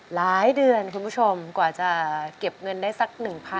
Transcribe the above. หลายเดือนคุณผู้ชมกว่าจะเก็บเงินได้สัก๑๐๐๐